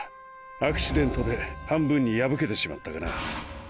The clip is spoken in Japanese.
アクシデントで半分に破けてしまったがな。